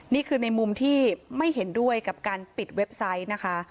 นี่คือในมุมที่ไม่เห็นด้วยกับการปิดเว็บไซต์นะคะ